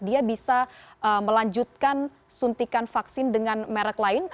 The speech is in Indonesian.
dia bisa melanjutkan suntikan vaksin dengan merek lain